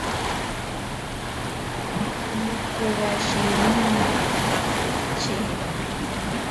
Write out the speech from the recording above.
Nokowashirimi kapicheni.